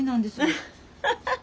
アハハハ。